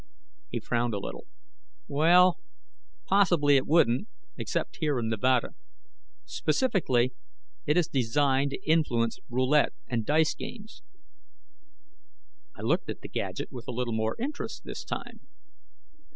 He frowned a little. "Well, possibly it wouldn't, except here in Nevada. Specifically, it is designed to influence roulette and dice games." I looked at the gadget with a little more interest this time.